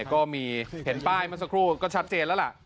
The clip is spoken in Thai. ก็มีเห็นป้ายเมื่อสักครู่ก็ชัดเจนแล้วล่ะ